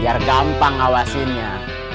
biar gampang awasinnya